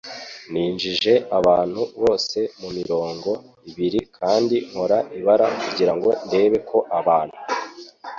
Ninjije abantu bose mumirongo ibiri kandi nkora ibara kugirango ndebe ko abantu